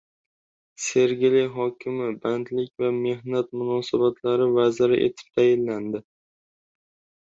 Sergeli hokimi Bandlik va mehnat munosabatlari vaziri etib tayinlandi